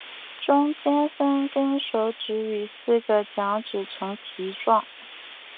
中间三跟手指与四个脚趾呈蹄状。